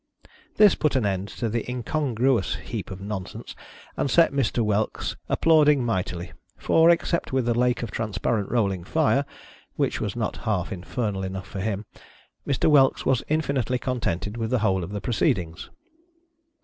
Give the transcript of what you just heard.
This put an end to the incongruous heap of nonsense, and set Mr. Whelks applauding mightily; for, except with the lake of transparent rolling fire (which was not half infernal enough for him), Mr. Whelks was infinitely contented with the whole of the proceedings.